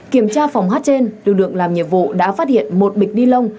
kiểm tra phòng hát trên lưu lượng làm nhiệm vụ đã phát hiện một bịch đi lông